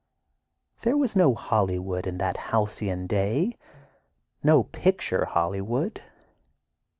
There was no Hollywood in that halcyon day, no picture Hollywood.